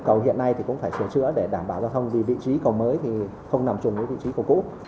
cầu hiện nay cũng phải sửa chữa để đảm bảo lưu thông vì vị trí cầu mới không nằm chung với vị trí cầu cũ